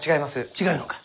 違うのか。